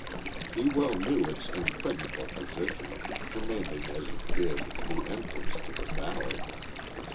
He well knew its impregnable position, commanding as it did, the entrance to the valley.